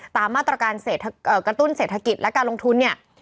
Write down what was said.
ตามมาตรการกระตุ้นเศรษฐกิจและการลงทุนเนี่ย